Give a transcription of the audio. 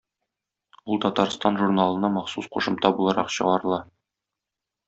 Ул "Татарстан" журналына махсус кушымта буларак чыгарыла.